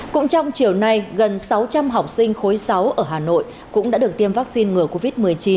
cũng trong chiều nay gần sáu trăm linh học sinh khối sáu ở hà nội cũng đã được tiêm vaccine ngừa covid một mươi chín